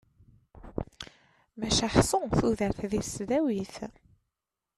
Maca ḥsu tudert deg tesdawit.